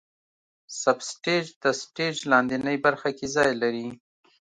سب سټیج د سټیج لاندینۍ برخه کې ځای لري.